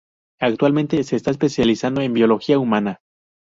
Actualmente se está especializando en Biología humana.